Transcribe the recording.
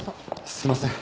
すいません。